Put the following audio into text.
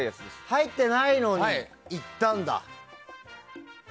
入ってないのに行ったんだ。